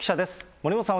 森本さん